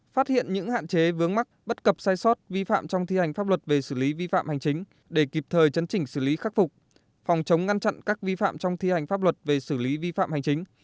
phát hiện những hạn chế vướng mắc bất cập sai sót vi phạm trong thi hành pháp luật về xử lý vi phạm hành chính để kịp thời chấn chỉnh xử lý khắc phục phòng chống ngăn chặn các vi phạm trong thi hành pháp luật về xử lý vi phạm hành chính